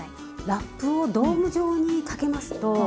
ラップをドーム状にかけますと。